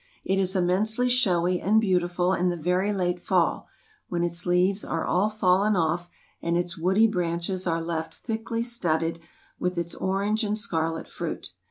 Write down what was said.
It is immensely showy and beautiful in the very late fall when its leaves are all fallen off and its woody branches are left thickly studded with its orange and scarlet fruit.